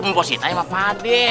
mposit aja mah pade